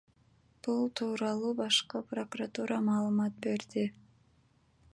Бул тууралуу башкы прокуратура маалымат берди.